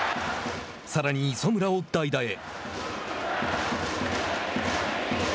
さらに磯村を代打へ。